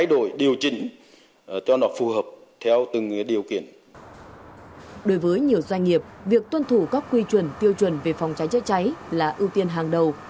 đối với nhiều doanh nghiệp việc tuân thủ các quy chuẩn tiêu chuẩn về phòng cháy chữa cháy là ưu tiên hàng đầu